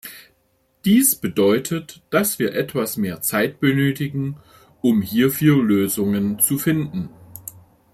Dies bedeutet, dass wir etwas mehr Zeit benötigen, um hierfür Lösungen zu finden.